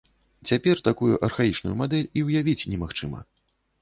Цяпер такую архаічную мадэль і ўявіць немагчыма.